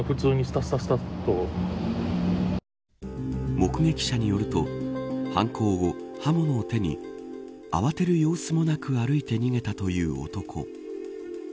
目撃者によると犯行後、刃物を手に慌てる様子もなく歩いて逃げたという男。